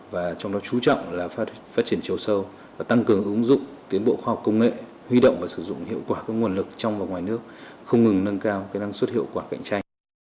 và trong đó chú trọng là phát triển châu sâu và tăng cường ứng dụng tiến bộ khoa học công nghệ huy động và sử dụng hiệu quả các nguồn lực trong và ngoài nước không ngừng nâng cao năng suất hiệu quả cạnh tranh